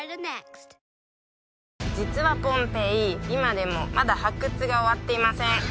今でもまだ発掘が終わっていません